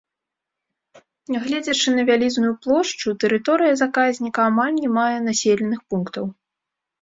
Негледзячы на вялізную плошчу, тэрыторыя заказніка амаль не мае населеных пунктаў.